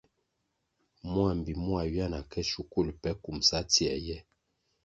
Mua mbpi mua ywia na ke shukul pe kumʼsa tsie ye.